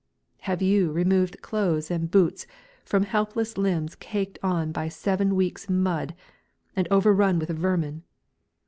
"Have you removed clothes and boots from helpless limbs caked on by seven weeks' mud and overrun with vermin?